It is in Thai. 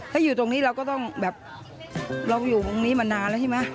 ถ้าอยู่ตรงนี้เราก็ต้องแบบเราอยู่ตรงนี้มานานแล้วใช่ไหม